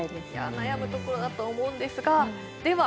悩むところだと思うんですがでは